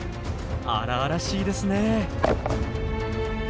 荒々しいですねえ。